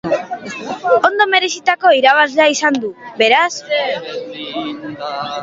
Ondo merezitako irabazlea izan du, beraz.